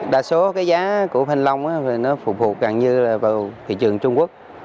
đa số giá của thanh long phục vụ càng như là vào thị trường trung quốc